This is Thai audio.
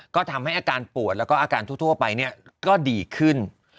ก็ทำให้อาการปวดแล้วก็อาการทั่วไปก็ดีขึ้น